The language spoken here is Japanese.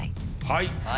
はい！